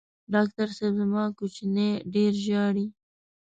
ډاکټر صېب زما کوچینی ډېر ژاړي